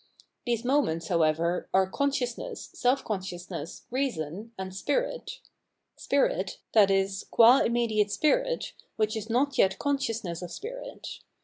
These moments, however, are consciousness, self consciousness, reason, and spirit — spirit, that is, qua immediate spirit, which is not ^ consciousness of spirit.